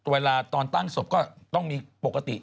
เวลาตอนตั้งศพก็ต้องมีปกติ